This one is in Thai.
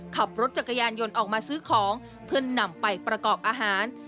ขับรถจักรยานยนต์ออกมาซื้อของเพื่อนำไปประกอบอาหาร